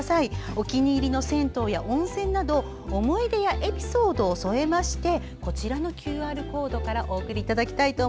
お気に入りの銭湯や温泉など思い出やエピソードを添えましてこちらのＱＲコードからお送りください。